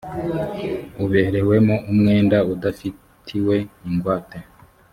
uberewemo umwenda udafitiwe ingwate